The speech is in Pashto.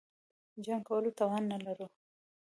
جنګ کولو توان نه لرو.